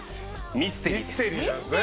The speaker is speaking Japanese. ミステリーなんですね。